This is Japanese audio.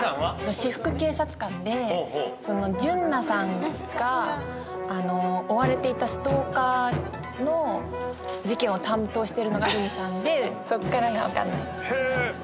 私服警察官で純奈さんが追われていたストーカーの事件を担当してるのがルミさんでそっからが分かんない。